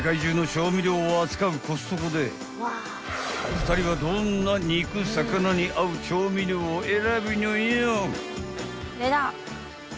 ［２人はどんな肉魚に合う調味料を選ぶのよ？］